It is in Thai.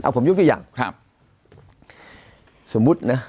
เอ้าผมยุ่งที่อย่างครับสมมุตินะ